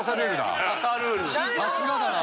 さすがだな。